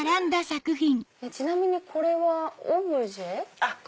ちなみにこれはオブジェ？